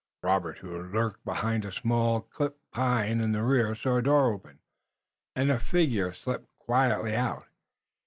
Robert, who lurked behind a small clipped pine in the rear saw a door open, and a figure slip quietly out.